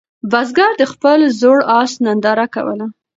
بزګر د خپل زوړ آس ننداره کوله.